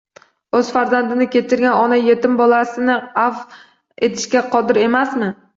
O'z farzandini kechirgan ona, yetim bolasini avf etishga qodir emasmi?